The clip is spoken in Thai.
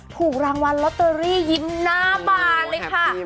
ถูกรางวัลลอตเตอรี่ยิ้มหน้าบานเลยค่ะ